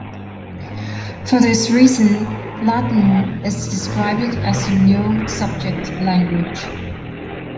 For this reason, Latin is described as a null-subject language.